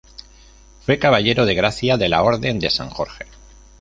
Fue Caballero de Gracia de la Orden de San Jorge.